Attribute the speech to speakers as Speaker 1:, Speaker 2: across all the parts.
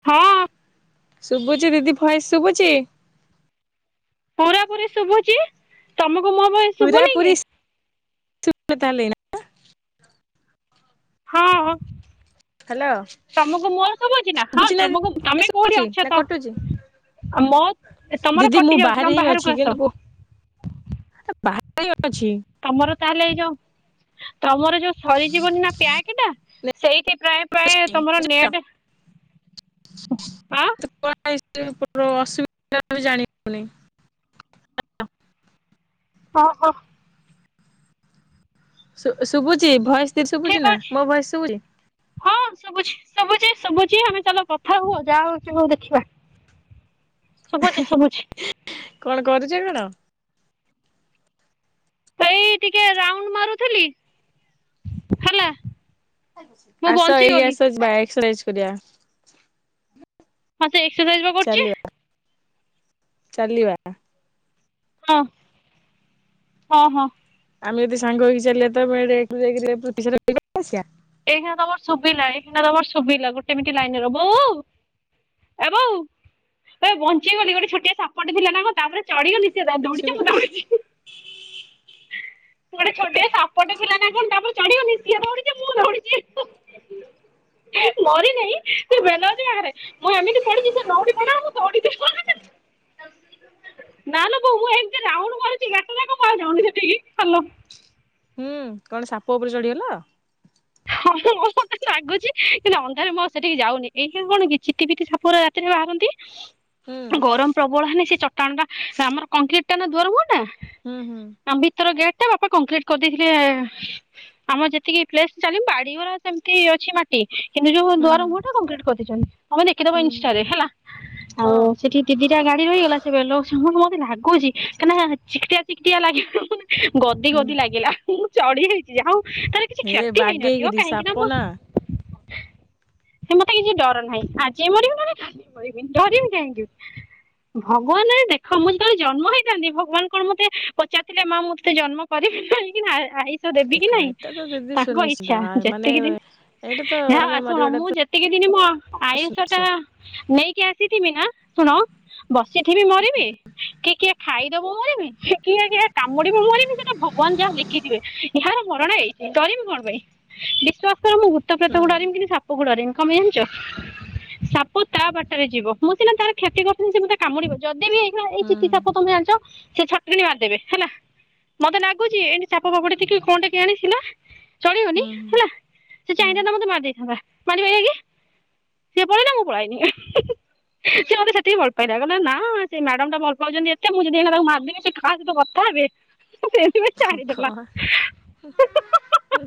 Speaker 1: ହଁ।
Speaker 2: ଶୁଭୁଛି ଦିଦି ଭଏସ୍ ଶୁଭୁଛି?
Speaker 1: ପୁରା ପୁରି ଶୁଭୁଚି। ତୋମକୁ ମୋ ଭଏସ୍
Speaker 2: ପୁରା ପୁରି ଶୁ [inaudible] ତାହେଲେ ଏଇନା।
Speaker 1: ହଁ, ହଁ।
Speaker 2: ହ୍ୟାଲୋ
Speaker 1: ତୋମକୁ ମୋର ଶୁବୁଛି ନା?
Speaker 2: ଶୁଭୁଛି
Speaker 1: ଆଉ
Speaker 2: ଭଏସ ଶୁଭୁଛି ନା କଟୁଛି
Speaker 1: ମୋ ଏ ତୋମର
Speaker 2: ଦିଦି ମୁଁ
Speaker 1: କଟି ଯାଉଚି,
Speaker 2: ବାହାରେ
Speaker 1: ତୋମେ
Speaker 2: ହିଁ
Speaker 1: ବାହାରକୁ ଆସ।
Speaker 2: ତ ବାହାର [inaudible] ଅଛି।
Speaker 1: ତୋମର ତାହେଲେ ଏଇ ଯୋଉ ତୋମର ଯୋଉ ସରିଯିବନି ନା ପ୍ୟାକ୍ ଟା। ସେଇଥି
Speaker 2: [inaudible] ବଝିଚ ତ କଣ
Speaker 1: ଆଁ
Speaker 2: ପାଇଁ [inaudible] ଅସୁବିଧା ବି ଜାଣିହଉନି।
Speaker 1: ଓ, ହୋ।
Speaker 2: ଶୁ ଶୁଭୁଛି ଭଏସ୍ ତିର
Speaker 1: ଠିକ
Speaker 2: ଶୁଭୁଛି ନା,
Speaker 1: ଅଛି
Speaker 2: ମୋ ଭଏସ୍ ଶୁଭୁଚି?
Speaker 1: ହଁ ଶୁଭୁଛି, ଶୁବୁଛି, ଶୁଭୁଛି ଆମେ ଚାଲ କଥା ହୁଅ ଯାହା ହଉଚି ହଉ ଦେଖିବା। ଶୁବୁଚି, ଶୁଭୁଛି।
Speaker 2: କଣ କରୁଚ କଣ?
Speaker 1: ଏଇ ଟିକେ ରାଉଣ୍ଡ ମାରୁଥିଲି ହେଲା। ମୁଁ
Speaker 2: ଆସ ଏଇ
Speaker 1: ବଞ୍ଚିଗଲି
Speaker 2: ଆସ ଯିବା ଏକ୍ସସାଇଜ୍ କରିବା।
Speaker 1: ହଁ ସେ ଏକ୍ସସାଇଜ୍ ବା କରୁଛି।
Speaker 2: ଚାଲିବା ଚାଲିବା?
Speaker 1: ହଁ, ହଁ, ହଁ।
Speaker 2: ଆମେ ଯଦି ସାଙ୍ଗ ହେଇକି ଚାଲିବା, ତୋମେ ଏ ଲେପ୍ଟ ରୁ ଯାଇକି ଲେପ୍ଟ [inaudible] ଆସିବା
Speaker 1: ଏଇଖିଣା ତୋମର ଶୁବିଲା ଏଇଖିଣା ତୋମର ଶୁବୁଲା ଗୋଟେ ମିିନିଟ୍ ଲାଇନ୍ ରୁହ। ବୋଉ ଏ ବୋଉ ଏ ବଞ୍ଚିଗଲି ଗୋଟେ ଛୋଟିଆ ସାପ ଟେ ଥିଲା ନା କଣ ତା ପରେ ଚିଢିଗଲି ସେ ର- ଦୌଡ଼ିଛି,
Speaker 2: ଶୁଭିଲା
Speaker 1: ମୁଁ [unintelligible] ମୁଁ ଗୋଟେ ଛୋଟିଆ ସାପ ଟେ ଥିଲା ନା କଣ ତାପରେ ଚଢିଗନି, ସିଏ ଦୌଡିଚି ମୁଁ ଦୌଡିଚି। ମରି ନାହିଁ, ସେ ବେଲ ଗଛ ପାଖରେ ମୁଁ ଏମିତି ପଢଚି ସେ ନଉଟି ପଇଲା ମୁଁ ଦୌଡିଚି, ପଡିଚି। [unintelligible] ନାଲୋ ବୋଉ ମୁ ଏମିତି ରାଉଣ୍ଡ କରିଛି ଏକ ଯାକ କୁଆଡେ ଯାଉନି ସେଠିକି ହାଲ।
Speaker 2: ହୁଁ କଣ ସାପ ଉପରେ ଚଢିଗଲ?
Speaker 1: ହଁଁ ମତେ ଲାଗୁଛି କିନ୍ତୁ ଅନ୍ଧାରେ ମୋ ସେଠିକି ଯାଉନି ଏଇ କଣ କି ଚିତି ପିତି ସାପ ଗୁରା ରାତିରେ ବାହାରନ୍ତି।
Speaker 2: ହୁଁ
Speaker 1: ଗରମ ପ୍ରବଳ ହେନେ ସେ ଚଟାଣ ଟା ଆମର କଂକ୍ରିଟ ଟା ନା ଦୁଆର ମୁହଁଟା।
Speaker 2: ହୁଁ ହୁଁ।
Speaker 1: ଆମ ଭିତର ଗେଟ ଟା ବାପା କଂକ୍ରିଟ କରିଦେଇଥିଲେ ଆମ ଯେତିକି ସ୍ପେସ ଚାଲି ବାଡିଗୁରା ସେମିତି ଅଛି ମାଟି କିନ୍ତୁ ଯୋଉ
Speaker 2: ହୁଁ
Speaker 1: ଦୁଆର ମୁହଁ ଟା କଂକ୍ରିଟ କରିଦେଇଚନ୍ତି। ଆମେ ଦେଖିଦବା
Speaker 2: ହୁଁ
Speaker 1: ଇନଷ୍ଟାରେ ହେଲା ଆଉ
Speaker 2: ହଁ
Speaker 1: ସେଠି ଦି ଦିଟା ଗାଡି ରହିଗଲା ସେ ବେଲ ଗଛ ମୁ ମୋତେ ଲାଗୁଛି କାହିନା ଚିକଟିଆ ଚିକିଟିଆ ଲାଗ ଗଦି
Speaker 2: ହୁଁ
Speaker 1: ଗଦି ଲାଗିଲା ମୁଁ ଚଢି ଯାଇଛି ଯା ହଉ ତାର କିଛି
Speaker 2: ହେ
Speaker 1: କ୍ଷତି
Speaker 2: ବାଗେଇକିରି ସାପ ନା
Speaker 1: ସେ ମତେ କିଛି ଡର ନାହିଁ ଆଜି ମରିବି ନଲେ କାଲି ମରିବି ଡରିବି କାହିଁକି? ଭଗବାନ ଦେଖ ମୁଁ ଯେତେବେଳେ ଜନ୍ମ ହେଇଥାନ୍ତି ଭଗବାନ କଣ ମତେ ପଚିଥିଲେ ମା ମୁଁତେ ଜନ୍ମ କରିିବି କି ନାଇ ଆଇଷ ଦେବି କି
Speaker 2: ଦେଖ
Speaker 1: ନାଇଁ।
Speaker 2: ଏଇଟା ତ ଦିଦି
Speaker 1: ତାଙ୍କ
Speaker 2: ସୁନିଶ୍ଚିତ
Speaker 1: ଇଛା
Speaker 2: ମାନେ
Speaker 1: ଯେତିକି
Speaker 2: ଏଇଟା ତ
Speaker 1: ଦିନ ଯା
Speaker 2: ମାନେ
Speaker 1: ଆସୁ
Speaker 2: ମରିବାଟା ତ
Speaker 1: ମୁଁ ସେତିକି ଦିନ ମୋ ଆୟୁଷ ଟା
Speaker 2: ସୁନିଶ୍ଚିତ
Speaker 1: ନେଇକି ଆସିଥିବି ନା ଶୁଣ ବସିଥିବି ମରିବି କିଏ କିଏ ଖାଇଦବ ମରିବି କିଏ କିଏ କାମୁଡିବ ମରିବି ସେଟା ଭଗବାନ ଯାହା ଲେ ଥିବେ ଏହାର ମରଣ ଏଇଠି, ଡରିମି କଣ ପାଇଁ ବିଶ୍ଵାସ କର ମୁଁ ଭୁତ
Speaker 2: ହୁଁ
Speaker 1: ପ୍ରତକୁ ଡରିମି କି ପ ଡରେନି କଣପାଇଁ ଜାଣିଛ ସାପ ତା ବାଟରେ ଯିବ ମୁଁ ସିନା ତାର କ୍ଷତି କରୁଥିଲି ସେ ମତେ କାମୁଡିବ ଯଦି ବି ଏଇ
Speaker 2: ହୁଁ
Speaker 1: ଚିତୀ ସାପ ତମେ ଜାଣିଛ ସେ ଛ କିଣ ମାରିଦେବେ ହେଲା ମତେ ଲାଗୁଛି ଏଠି ସାପ ଫାପଟେ ସିକିଲ କଣ ଟେ କେଜାଣି ଥିଲା। ଚଳିବନି
Speaker 2: ହୁଁ
Speaker 1: ହେଲା ସେ
Speaker 2: ହୁଁ
Speaker 1: ଚାହିଁଥାତା ମତେ ମାରି ଦେଇଥାନ୍ତା ମାରିିବାର ଆ କି ସେ ପଳେଇଲା ମୁ ପଳେଇ ଆଇଲି। ସେ ମୋତେ ସେତିକି ଭଲ ପାଇଲା ନା ସେ ମଡାମ ଟା ଭଲ ପାଉଛନ୍ତି ଏତେ ମୁଁ ଯଦି ତାକୁ ମାରିଦବି ସୋ ସହିତ କଥା ହେବେ। ଆ
Speaker 2: ଭଗ ବାନ।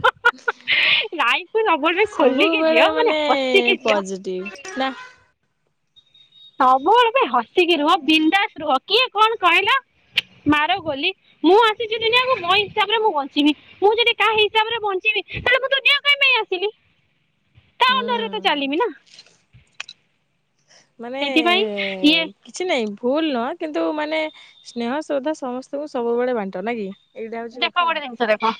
Speaker 1: ଲାଇଫ୍ କୁ ସବୁବେଳେ ପାଇଁ ଖୋଲିକି
Speaker 2: ସବୁବେଳେ
Speaker 1: ଝିଅ
Speaker 2: ମାନେ
Speaker 1: ହସିକି ଝିଅ
Speaker 2: ପଜିଟିଭ ନା
Speaker 1: ସବୁବେଳେ ପାଇଁ ହସିକି ରୁହ ବିନ୍ଦାସ ରୁହ କିଏ କଣ କହିଲା ମାର ଗୋଲି ମୁଁ ଆସିଛି ଦୁନିଆ କୁ ମୋ ହିସାବରେ ମୁଁ ବଞ୍ଚିବି। ମୁଁ ଯଦି କାହା ହିସାବରେ ବଞ୍ଚିବି ତାହେଲେ ମୁଁ ତ ଯିଓ ପାଇଁ ନେଇ ଆସିଲି। ତା ଅଣ୍ଡରେ
Speaker 2: ହୁଁ
Speaker 1: ତ ଚାଲିବି ନା
Speaker 2: ମାନେ
Speaker 1: ସେଇଥିପାଇଁ ଇଏ
Speaker 2: କିଛି ନାଇଁ ଭୁଲ ନୁହଁ କିନ୍ତୁ ମାନେ ସ୍ନେହ ଶ୍ରଦ୍ଧା ସମସ୍ତଙ୍କୁ ସବୁବେଳେ ବାଣ୍ଟ ନାଇ କି ଏଇଟା ହଉଛି
Speaker 1: ଦେଖ
Speaker 2: କଥା ଆଉ
Speaker 1: ଗୋଟେ ଜିନିଷ ଦେଖ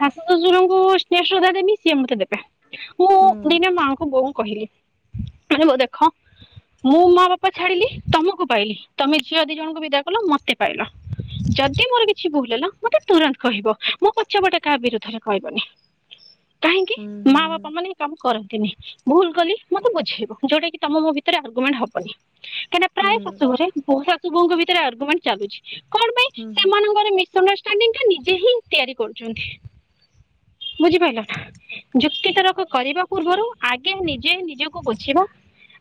Speaker 1: ଶାଶ ଶ୍ୱଶୁରଙ୍କୁ ସ୍ନେହ ଶ୍ରଦ୍ଧା ଦେବି ସିଏ ମତେ ଦେବେ ମୁଁ
Speaker 2: ହୁଁ
Speaker 1: ଦିନେ ମାଆଙ୍କୁ ବୋଉ କହିଲି ଆରେ ବୋଉ ଦେଖ ମୁଁ ମା ବାପା ଛାଡିଲି ତମକୁ ପାଇଲି ତମେ ଝିଅ ଦି ଜଣଙ୍କୁ ବିଦା କଲ ମତେ ପାଇଲ। ଯଦି ମୋର କିଛି ଭୁଲ ହେଲା ମୋତେ ତୁରନ୍ତ କହିବ ମୋ ପଛପଟେ କାହା ବିରୁଦ୍ଧରେ କହିବନି କାହିଁକି?
Speaker 2: ହୁଁ, ହୁଁ।
Speaker 1: ମାଁ ବାପା ମାନେ ଏ କାମ କରନ୍ତିନି ଭୁଲ କଲି ମତେ ବୁଝେଇବ ଯୋଉଟା କି ତମ ମୋ ଭିତରେ ଆର୍ଗୁମେଣ୍ଟ ହବନି। କାହିଁକନା
Speaker 2: ହୁଁ
Speaker 1: ପ୍ରାୟ ଶାଶୁ ଘରେ ବୋହୂ ଶାଶୁ ବୋଉଙ୍କ ଭିତରେ ଆଗୁମେଣ୍ଟ ଚାଲୁଛି।
Speaker 2: ହୁଁ, ହୁଁ।
Speaker 1: ଅଣ୍ଡର ଷ୍ଟାଣ୍ଡଇଙ୍ଗ ଟା ନିଜେ ହିଁ ତିଆରି କରୁଛନ୍ତି ବୁଝିପାରିଲ ନା? ଯୁକ୍ତି ତରକ କରିବା ପୂର୍ବରୁ ଆଗେ ନିଜେ ନିଜକୁ ବୁଝିବା।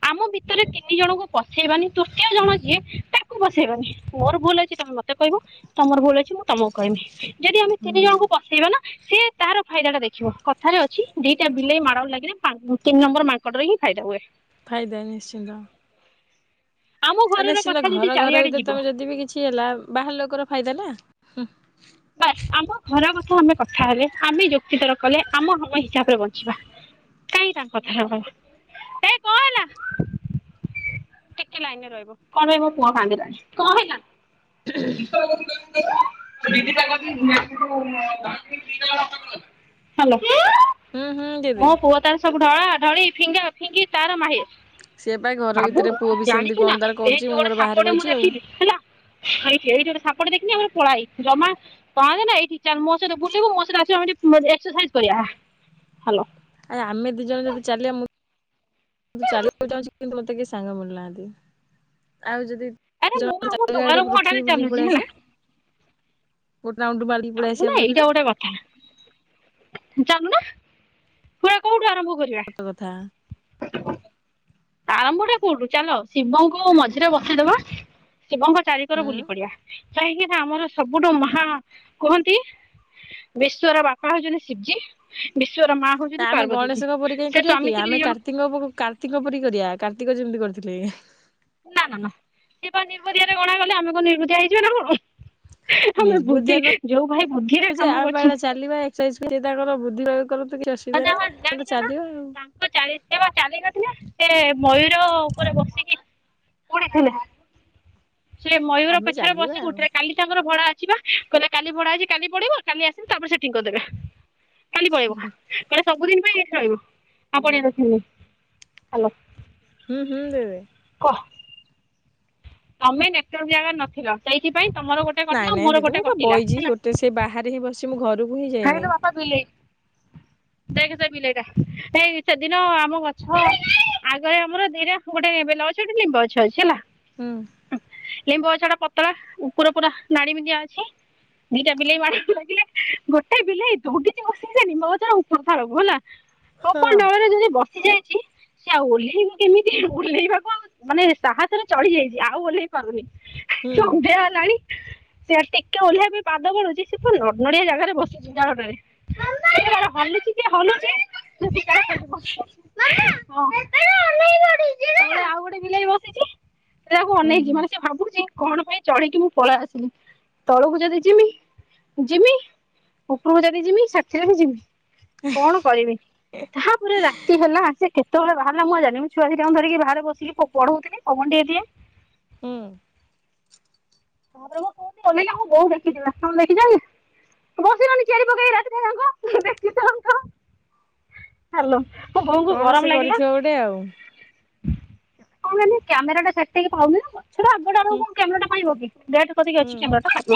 Speaker 1: ଆମ ଭିତରେ ତିନି ଜଣଙ୍କୁ ପସେଇବାନି ତୃତୀୟ ଜଣ ଯିଏ ତାକୁ ପସେଇବାନି ମୋର ଭୁଲ ଅଛି ତମ ମତେ କହିବ ତମର ଭୁଲ ଅଛି ମୁଁ ତମକୁ କହିବି ଯଦି ଆମେ ତିନି ଜଣଙ୍କୁ
Speaker 2: ହୁଁ
Speaker 1: ପସେଇବା ନା ସେ ତାର ଫାଇଦା ଟା ଦେଖିବ କଥାରେ ଅଛି ଦିଟା ବିଲେଇ ମାଡ଼ ଗୋଳ ଲାଗିଲେ ତିନି ନମ୍ବର ମାକ୍ ରେଁ ଫାଇା ହୁଏ।
Speaker 2: ଫାଇଦା ନିଶ୍ଚିନ୍ତ
Speaker 1: ଆମ
Speaker 2: ଆଉ
Speaker 1: ଘରର
Speaker 2: ନିଶ୍ଚିନା
Speaker 1: କଥା ଯଦି
Speaker 2: ଘର ଘର
Speaker 1: ଚାରିଆଡେ
Speaker 2: ଭିତରେ
Speaker 1: ଯିବ
Speaker 2: ତମେ ଯଦି ବି କିଛି ହେଲା ବାହାର ଲୋକର ଫାଇଦା ନା
Speaker 1: ବା ଆମ ଘର କଥା ଆମେ କଥା ହେଲେ ଆମେ ଯୁକ୍ତିତର କଲେ ଆମ ଆମ ହିସାବରେ ବଞ୍ଚିବା କାହିଁ ତାଙ୍କ କଥା ହେବ ଏ କଣ ହେଲା ଟିକେ ଲାଇନ୍ ରେ ରହିବ କଣ ରହିବ ପୁଅ କାନ୍ଦିଲାଣି କଣ ହେଲା? [unintelligible] ହାଲୋ
Speaker 2: ହୁଁ, ହୁଁ, ଯିବି।
Speaker 1: ତାର ସବୁ ଢଳା ଢଳି ଫିଙ୍ଗା ଫିଙ୍ଗି ତାର ମହିର୍
Speaker 2: ସିଏ ପା ଘର
Speaker 1: ବାବୁ
Speaker 2: ଭିତରେ ପୁଅ ବି ସେମିତି
Speaker 1: ଜାଣିଛୁ
Speaker 2: କଣ
Speaker 1: ନା
Speaker 2: ତାର
Speaker 1: ସେ
Speaker 2: କରୁଛି ମୁଁ
Speaker 1: ଯୋଉ
Speaker 2: ମୋର
Speaker 1: ଗୋଟେ
Speaker 2: ବାହାରେ
Speaker 1: ସାପଟେ
Speaker 2: ବଇଚି
Speaker 1: ମୁଁ
Speaker 2: ଆଉ।
Speaker 1: ଦେଖିଲି ହେଲା ଆାଇ ସେଇଠି ଗୋଟେ ସାପଟେ ଦେଖିଲି ଆ ପଳାଇ ଜମା କାନ୍ଦ୍ ନା ଏଇଠି ଚାଲ୍ ମୋ ସହିତ ବୁଲିବୁ ମୋ ସାଙ୍ଗେ ଆସିବୁ ଏକ୍ସସାଇଜ୍ କରିବା। ହାଲୋ
Speaker 2: ଆ ଆମେ ଦି ଜଣ ଯଦି ଚାଲିବା ମୁ ମୁଁ ତୁ ଚାଲିବାକୁ ଚାହୁଁଛି କିନ୍ତୁ ମତେ କେହି ସାଙ୍ଗ ମିଳୁନାହାନ୍ତି ଆଉ ଯଦି
Speaker 1: ଆରେ ମୁଁ ଆମ ଦୁଆର
Speaker 2: ଜଣାଡେ ପୃଥିବୀ
Speaker 1: ମୁହଁଟାରେ
Speaker 2: ବୁଲ
Speaker 1: ଚାଲୁଛି ହେଲା
Speaker 2: ପଳେଇଆସେ ଗୋଟ ରାଉଣ୍ଡ ମାରି
Speaker 1: ଚାଲବୁ ନା ଏଇଟା ଗୋଟେ କଥା ଚାଲୁନା ପୁରା କୋଉଠୁ ଆରମ୍ଭ କରିବା?
Speaker 2: ସତ କଥା
Speaker 1: ତାରମ୍ଭ ଟା କୋଉଠୁ ଚାଲ ଶିବଙ୍କୁ ମଝିରେ ବସେଇଦବା ଶିବଙ୍କ ଚାରିିକର
Speaker 2: ହୁଁ।
Speaker 1: ବୁଲି ପଡ଼ିବା କାହିଁକିନା ଆମର ସବୁଠୁ ମହା କୁହନ୍ତି ବିଶ୍ଵର ବାପା ହଉଛନ୍ତି ଶିବ୍ଜୀ ବିଶ୍ଵର ମା ହଉଛନ୍ତି
Speaker 2: ନା ଆମେ
Speaker 1: ପାର୍ବତୀଜୀ
Speaker 2: ଗଣେଶଙ୍କ ପରି କାଇହିଁ
Speaker 1: ସେ
Speaker 2: କରିବା
Speaker 1: ସ୍ଵାମୀ
Speaker 2: କି
Speaker 1: ସ୍ତ୍ରୀ ଦି
Speaker 2: ଆମେ
Speaker 1: ଜଣ
Speaker 2: କାର୍ତ୍ତିଙ୍କ କାର୍ତ୍ତିଙ୍କ ପରି କରିବା କାର୍ତ୍ତିକ ଯେମିତି କରିଥିଲେ
Speaker 1: ନା ନା ନା ସେ ନିର୍ଭଦିଆରେ ଗଣା ଗଲେ ଆମେ କଣ ନିର୍ଭଦିଆ ହେଇଯିବ ନା କଣ ଆମେ
Speaker 2: ନିର୍ବୁଦ୍ଧିଆ
Speaker 1: ବୁଦ୍ଧି ଯୋଉ ଭାଇ ବୁଦ୍ଧିରେ କାମ କରୁଛୁ
Speaker 2: ସେଇ ଯ ତାଙ୍କର ବୁଦ୍ଧିବା କରନ୍ତୁ କିଛି ଅସୁବିଧା ନାହିଁଲେ
Speaker 1: ଜାଣିଛ ନା
Speaker 2: ଚାଲିବ ଆଉ।
Speaker 1: ତାଙ୍କ ଚାଲି ସେ ବା ଚାଲି ନଥିଲେ ସେ ମୟୂର ଉପରେ ବସିକି କୋଠ ସେ ମୟୂର
Speaker 2: ଆମେ
Speaker 1: ପଛରେ
Speaker 2: ଚାଲିବା
Speaker 1: ବସି
Speaker 2: ଆଉ
Speaker 1: ଗୋଠରେ କାଲି ତାଙ୍କର ଭଡ଼ା ଅଛିିବା କହିଲେ କାଲି ଭଡ଼ା ହେଇଛି କାଲି ପଡିବ କାଲି ଆସିବି ତାପରେ ସେଟିଙ୍ଗ୍ କରିଦେବେ। କାଲି ପଳେଇବ କ ସବୁଦିନ ପାଇଁ ଏଇଠି ରହିବ ପଣ ର ହାଲୋ
Speaker 2: ହୁଁ ହୁଁ ଦେବେ
Speaker 1: କହ ତମେ ନେଟର୍ ଜାଗା ନଥିଲ ସେଇଥିପାଇଁ ତମର ଗୋଟେ
Speaker 2: ନାଇଁ
Speaker 1: କଟିଲା
Speaker 2: ନାଇଁ
Speaker 1: ମୋର
Speaker 2: ଦିଦି
Speaker 1: ଗୋଟେ
Speaker 2: ମୁଁ ବା
Speaker 1: କଟିଲା
Speaker 2: ବଇଚି
Speaker 1: ହେଲା
Speaker 2: ଗୋଟେ ସେ ବାହାରେ ହିଁ ବସିଛି ମୁଁ ଘରକୁ ହିଁ ଯାଇନି
Speaker 1: ବିିଲେଇ ଦେଖ୍ ତା ବିିଲେଇଟା ଏଇ ସେଦିନ ଆମ ଗଛ ଆଗରେ ଆମର ଦିନରେ ଗୋଟେ ବେଲ ଗଛ ଗୋଟେ ନିମ୍ବ ଗଛ ଅଛି ହେଲା
Speaker 2: ହୁଁ
Speaker 1: ଲିମ୍ବ ଗଛଟା ପତଳା ଉପର ପୁର ନାଡ଼ି ମିନ୍ତିଆ ଅଛି। ଦିଟା ବିଲେଇ ମାଡ଼ଗୋଳ ଲାଗିଲେ ଗୋଟେ ବିଲେଇ ଦୋଉଡିଚି କସିକି ସେ ନିମଗଛର ଉପର ଫାଳକୁ ହେଲା
Speaker 2: ହଁ
Speaker 1: ଓପର ଡାଳରେ ଯଦି ବସି ଯାଇଛି ସେ ଆଉ ଓହ୍ଲେଇବ କେମିତି ଓହ୍ଲେଇବାକୁ ଆଉ ମାନେ ସାହସରେ ଚଢି ଯାଇଛି ଆଉ ଓହ୍ଲେଇ ପାରୁନି।
Speaker 2: ହୁଁ
Speaker 1: ସନ୍ଧ୍ୟା ହେଲାଣି ସେି ଟିକେ ଓହ୍ଆ ବି ପାଦ ବଢୁଛି ସେ ପ ନଡିଆ ଜାଗାରେ ବସିଛି ଜାଟରେ [unintelligible] ସେ ତାର ହଲୁଛି ହଲୁଚି [inaudible] ମାମା ବେବେ ଟା ଓହ୍ଲେଇ ପଡ଼ିଚି ହେଲା ଆଉ ଗୋଟେ ବିଲେଇ ବସିଛି। ସେ ତାକୁ
Speaker 2: ହୁଁ
Speaker 1: ଅନେଇକି
Speaker 2: ହୁଁ
Speaker 1: ମାନେ ସିଏ ଭାବୁଛି। କଣ ପାଇଁ ଚଢିକି ମୁଁ ପଳା ଆସିଲି ତଳକୁ ଯଦି ଜିମି ଜିମି ଉପରକୁ ଯଦି ଯିମି ସାଥିରେ ବିି ଯିମି କଣ କରିମି? ତାହାପରେ ରାତି ହେଲା ସେ କେ ତୋବେଳେ ବାହାରିଲ ମୁଁ ଜଣିନି ଛୁଆ ଦିଠାଙ୍କୁ ଧରିକି ବାରେ ବସିକି ପଢଉଥିଲି ପାବନ ଟି ଟିଏ।
Speaker 2: ହୁଁ।
Speaker 1: ତାପରେ ମୁ କହୁି ଅଲିଲା ମୁଁ ବୋଉ ଦେଖିଥିଲା ତଣ ଦେଖିଛି [inaudible] ବସ ଚ ପକେଇଖ [unintelligible] ହ୍ୟାଲୋ ମୋ ବୋଉଙ୍କୁ
Speaker 2: କଣ ସେ
Speaker 1: ଗରମ ଲାଗିଲା।
Speaker 2: କରିଥିବ ଗୋଟେ ଆଉ
Speaker 1: କ କ୍ୟାମେରା ଟା ସେଠକି ପାଉନି ପଛ ଆଗଟା ଆକୁ
Speaker 2: ହୁଁ
Speaker 1: କଣ କ୍ୟାମେରାଟା ପାଇବ କି?
Speaker 2: ହୁଁ
Speaker 1: ଅଛି୍ୟାମୋ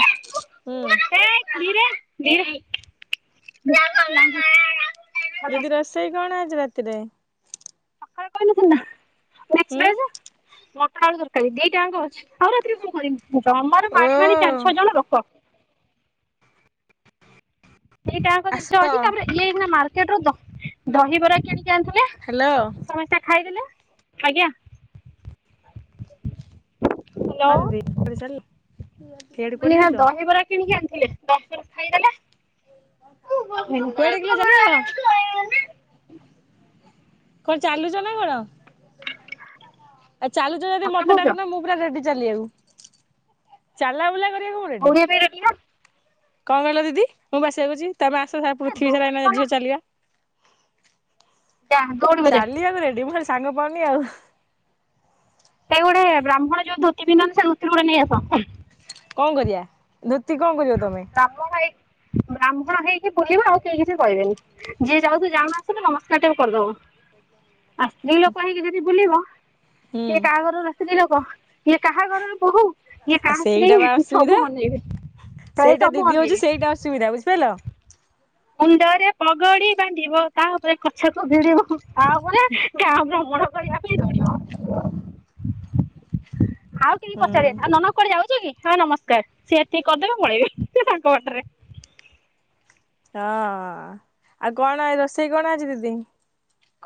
Speaker 2: ହୁଁ
Speaker 1: [inaudible] ରେ ଯ [inaudible]
Speaker 2: ଦିଦି ରୋଷେଇ କଣ ଆଜି ରାତିରେ?
Speaker 1: [inaudible] ମଟର ଆଳୁ
Speaker 2: ହୁଁ
Speaker 1: ତରକାରୀ ଦିଟାଙ୍କ ଅଛି ଆଉ ରାତିରେ କଣ କରିବି ଆମର
Speaker 2: ଓ
Speaker 1: ମାଡିମାଣି ଚାରି ଛଅ ଜଣ ଲୋକ। ଏଇ କାହାଙ୍କ
Speaker 2: ଆସ
Speaker 1: ଜିନିଷ ଅଛି ତାପରେ ଇଏ ଏଇଖିନା ମାର୍କେଟରୁ ଦହିବରା କିଣିକି ଆଣିଥିଲେ।
Speaker 2: ହ୍ୟାଲୋ
Speaker 1: ସମସ୍ତେ ଖାଇଦେଲେ ଆଜ୍ଞା। ହ୍ୟାଲୋ
Speaker 2: [unintelligible] କୁଆଡେ କୁଆଡେ ଯାଉଛ
Speaker 1: [unintelligible] ଦହିବରା କିଣିକି ଆଣିଥିଲେ ଦହିବରା ଖାଇଦେଲେ।
Speaker 2: କୁଆଡେ କିଲୋ ଯାଉଛ
Speaker 1: [inaudible]
Speaker 2: କଣ ଚାଲୁଛ ନା କଣ ଆଉ ଚାଲୁଛ ଯଦି ମତେ
Speaker 1: କହୁଛ ଦୌଡିବା
Speaker 2: ଡାକୁନା ମୁଁ ପୁରା ରେଡି ଚାଲିିବାକୁ ଚାଲା ବୁଲା କରିବାକୁ ମୁଁ ରେଡି
Speaker 1: [inaudible]
Speaker 2: କଣ କହିଲ ଦିଦି ମୁଁ ବାସିବାକୁୁଛି ତମେ ଆସ ସାର
Speaker 1: ଏ
Speaker 2: ପୃଥିବୀ ସାରା ଏଇନା
Speaker 1: ଦୌଡିବ ନା
Speaker 2: ଝିଅ ଚାଲିବା।
Speaker 1: ଯା ଦୌଡିବ ଯା
Speaker 2: ଚାଲିବାକୁ ରେଡି ମୁଁ ଖାଲି ସାଙ୍ଗ ପାଉନି ଆଉ।
Speaker 1: ସେଇ ଗୋଟେ ବ୍ରାହ୍ମଣ ଯୋଉ ଧୋତି ପିନ୍ଧନ୍ତି ସେଇ ଧୋତି ଗୁଡା ନେଇଆସ।
Speaker 2: କଣ କରିବା ଧୋତି କଣ କରିବ ତମେ?
Speaker 1: ବ୍ରାହ୍ମଣ ହେଇ ବ୍ରାହ୍ମଣ ହେଇକି ବୁଲିବା ଆଉ କେହି କିଛି କହିବେନି। ଯିଏ ଯାଉତୁ ଯାଉଣୁ‌ ଆସୁଣୁ ନମସ୍କାର ଟାକୁ କରିଦବ। ଆ ସ୍ତ୍ରୀ ଲୋକ ହେଇକି ଯଦି ବୁଲିବ
Speaker 2: ହୁଁ
Speaker 1: କିଏ କାହା ଘରୁ [unintelligible] ଇଏ କାହା ଘରର ବୋହୁ ଇଏ
Speaker 2: ଆ
Speaker 1: କାହା
Speaker 2: ସେଇଟା ବା
Speaker 1: ସ୍ତ୍ରୀ
Speaker 2: ଅସୁବିଧା
Speaker 1: ସବୁ ଅନେଇବେ। ପ୍ରାୟ
Speaker 2: ସେଇଟା
Speaker 1: ସବୁ
Speaker 2: ଦିଦି ହଉଛି
Speaker 1: ଅନେଇବେ
Speaker 2: ସେଇଟା ଅସୁବିଧା ବୁଝିପାରିଲ।
Speaker 1: ମୁଣ୍ଡରେ ପଗଡି ବାନ୍ଧିବ ତା ଉପରେ ଗଛକୁ ଭିଡିବ ତାପରେ ଗାଁ ଭ୍ରମଣ କରିବା ପାଇଁ [inaudible] ଆଉ
Speaker 2: ହୁଁ।
Speaker 1: ପଚାରିବେ ଆଉ ନନା କୁଆଡେ ଯାଉଛ କି ହଁ ନମସ୍କାର ସିଏ ଏତିକି କରିଦେବେ ପଳେଇବେ ସେ ତାଙ୍କ ବାଟରେ।
Speaker 2: ହଁ ଆଉ କଣ ରୋଷେଇ କଣ ଆଜି ଦିଦି।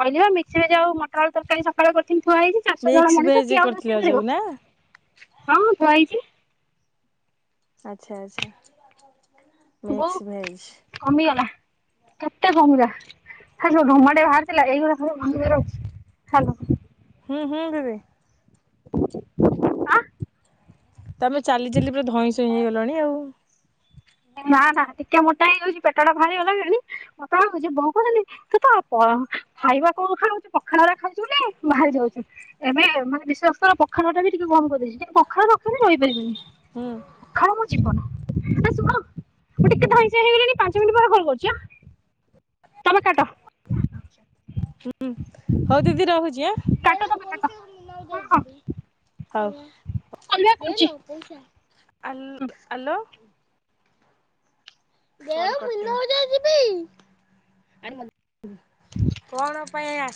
Speaker 1: କଦ ମିକ୍ସରେ ଯଉ ମଟର ତରକାରୀ ସକାଳୁ ପ୍ରଥମ ଥୁଆ ହେଇଛି ଚାଷ କାମ
Speaker 2: ମିକ୍ସ
Speaker 1: ମଣିଷ
Speaker 2: ଭେଜ୍
Speaker 1: କିଏ ଆଉ
Speaker 2: କରିଥିଲ
Speaker 1: ରୋଷେଇ
Speaker 2: ଯୋଉ
Speaker 1: କରିବ।
Speaker 2: ନା?
Speaker 1: ହଁଁ କୁଆହେଇଛି।
Speaker 2: ଆଛା ଆଛା
Speaker 1: ବୋଉ
Speaker 2: ମିକ୍ସ ଭେଜ୍।
Speaker 1: କମିଗଲା କେତେ କମିଲା ଖାଲି ସୁ ମାଟେ ବାହାରିଥିଲା [unintelligible] ହ୍ୟାଲୋ।
Speaker 2: ହୁଁ ହୁଁ ଦିଦି।
Speaker 1: ଆଁ
Speaker 2: ତମେ ଚାଲି ଚାଲି ପୁରା ଧଇଁ ସଇଁ ହେଇଗଲଣି ଆଉ।
Speaker 1: ନା ନା ଟିକେ ମୋଟା ହେଇଯାଉଛି ପେଟ ଟା ଭାହାରି ଗଲାଣି ପତଳା ହଉଚି ବୋଉ କହୁଚନ୍ତି ତୁ ତ ଖାଇବା କୋଉ ଖାଉଛୁ ପଖାଳ ଗୁରା ଖାଉଛୁ ବୋଲି ବାହାରି ଯାଉଚି। ଏବେ ମାନେ ବିଶ୍ୱାସ କର ପଖାଳ ଟା ବି ଟିକେ ବନ୍ଦ କରିଦେଇଛି କିନ୍ତୁ ପଖାଳ ନ ଖାଇଲେ ରହିପାରିବିନି।
Speaker 2: ହୁଁ
Speaker 1: ପଖାଳ ମୋ ଜୀବନ ଏ ଶୁଣ ମୁଁ ଟିକେ ଧଇଁ ସଇଁ ହେଇଗଲିଣି ପାଞ୍ଚ ମିନିଟ ପରେ କଲ୍ କରୁଚି ଆଁ ତମେ କାଟ୍
Speaker 2: ହୁଁ ହଉ ଦିଦି ରହୁଛି ଆ।
Speaker 1: କାଟ ତମେ କାଟ ହଁ ହଁ ମୁଁ
Speaker 2: ହଉ
Speaker 1: କଲ୍ ବ୍ୟାକ୍ କରୁଛି।
Speaker 2: [inaudible] [unintelligible] କଣ ପାଇଁ ଆ